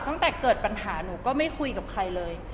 ตั้งแต่เกิดปัญหาหนูก็ไม่คุยกับใครเลย